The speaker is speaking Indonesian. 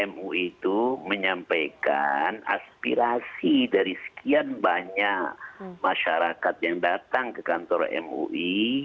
mui itu menyampaikan aspirasi dari sekian banyak masyarakat yang datang ke kantor mui